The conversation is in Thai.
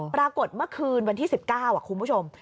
ปรากฏเมื่อคืนวันที่๑๙คุณผู้ชม